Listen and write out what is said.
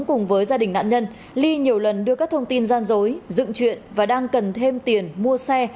cùng với gia đình nạn nhân ly nhiều lần đưa các thông tin gian dối dựng chuyện và đang cần thêm tiền mua xe